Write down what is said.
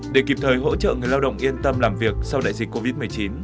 để kịp thời hỗ trợ người lao động yên tâm làm việc sau đại dịch covid một mươi chín